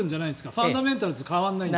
ファンダメンタルズが変わらないから。